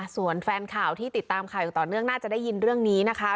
ส่วนแฟนข่าวที่ติดตามข่าวอย่างต่อเนื่องน่าจะได้ยินเรื่องนี้นะคะ